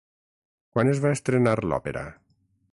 Quan es va estrenar l'òpera?